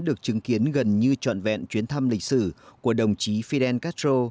được chứng kiến gần như trọn vẹn chuyến thăm lịch sử của đồng chí fidel castro